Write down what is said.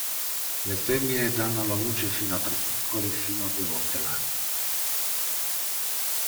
Le femmine danno alla luce fino a tre piccoli fino a due volte l'anno.